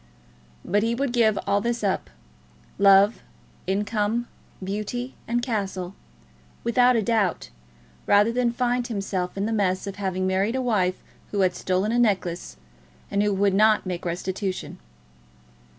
But he would give all this up, love, income, beauty, and castle, without a doubt, rather than find himself in the mess of having married a wife who had stolen a necklace, and who would not make restitution.